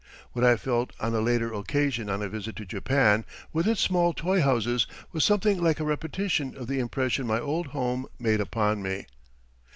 What I felt on a later occasion on a visit to Japan, with its small toy houses, was something like a repetition of the impression my old home made upon me.